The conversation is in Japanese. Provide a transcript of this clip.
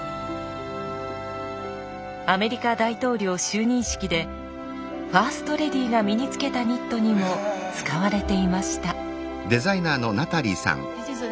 アメリカ大統領就任式でファーストレディーが身につけたニットにも使われていました。